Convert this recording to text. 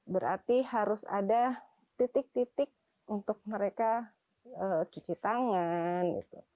berarti harus ada titik titik untuk mereka cuci tangan